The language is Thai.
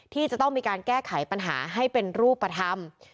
ที่จะต้องมีการแก้ไขปัญหาให้เป็นรูปธรรม